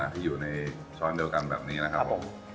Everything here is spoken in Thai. ที่อยู่ในช้อนเดียวกันแบบนี้นะครับผม